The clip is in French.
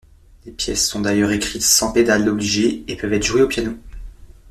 Les pièces sont d'ailleurs écrites sans pédale obligée et peuvent être jouées au piano.